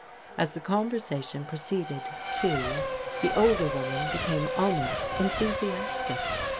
As the conversation proceeded, too, the older woman became almost enthusiastic.